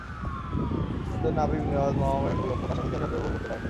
কিন্তু নাবিব নেওয়াজ মোহামেডান গোলরক্ষক আশরাফুলকে একা পেয়েও গোল করতে পারেননি।